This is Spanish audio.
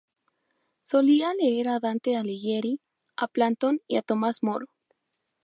Solía leer a Dante Alighieri, a Platón y a Tomás Moro.